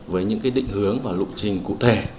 với những cái định hướng và lụ trình cụ thể